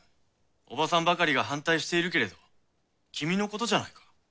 おばさんばかりが反対しているけれど君のことじゃないか。